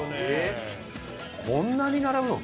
こんなに並ぶの？